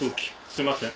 すいません。